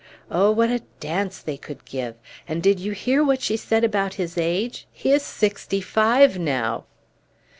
Oh, what a dance they could give! And did you hear what she said about his age? He is sixty five, now!"